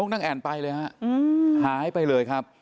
นางแอ่นไปเลยฮะหายไปเลยครับ